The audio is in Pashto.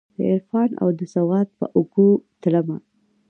دعرفان اودسواد په اوږو تلمه